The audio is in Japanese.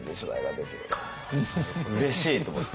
「うれしい！」と思って。